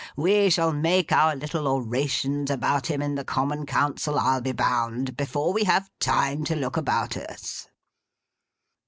we shall make our little orations about him in the Common Council, I'll be bound; before we have time to look about us!